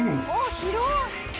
広い！